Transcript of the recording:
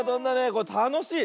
これたのしい。